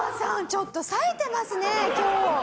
ちょっとさえてますね今日！